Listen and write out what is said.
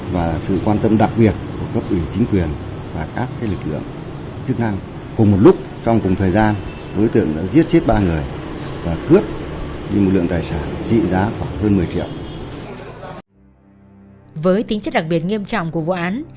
với tính chất đặc biệt nghiêm trọng của vụ án